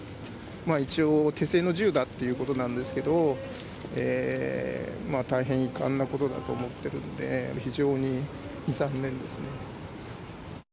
一応、手製の銃ということですが大変遺憾なことだと思っているんで非常に残念ですね。